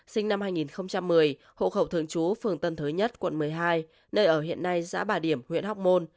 sinh năm hai nghìn một mươi hộ khẩu thường trú phường tân thới nhất quận một mươi hai nơi ở hiện nay xã bà điểm huyện hóc môn